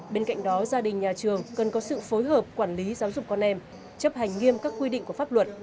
bên cạnh đó gia đình nhà trường cần có sự phối hợp quản lý giáo dục con em chấp hành nghiêm các quy định của pháp luật